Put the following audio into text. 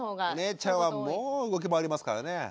お姉ちゃんはもう動き回りますからね。